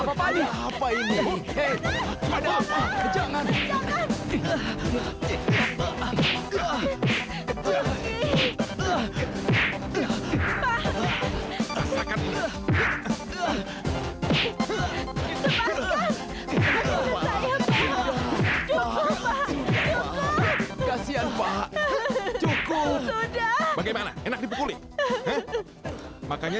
sampai jumpa di video selanjutnya